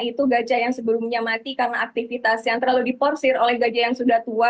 itu gajah yang sebelumnya mati karena aktivitas yang terlalu diporsir oleh gajah yang sudah tua